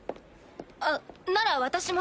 あっなら私も。